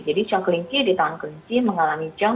jadi show kelingki di tahun kelingki mengalami ciong